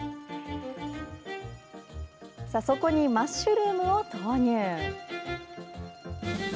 そこに、マッシュルームを投入。